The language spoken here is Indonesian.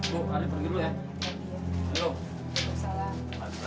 bu arief pergi dulu ya